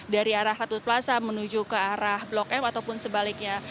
dari arah hatut plaza menuju ke arah blok m ataupun sebaliknya